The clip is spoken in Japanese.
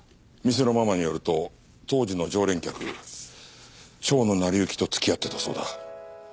店のママによると当時の常連客蝶野成行と付き合ってたそうだ。